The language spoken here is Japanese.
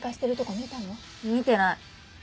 見てない。